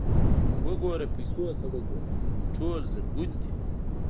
_وګوره، پيسو ته وګوره! ټول زرګون دي.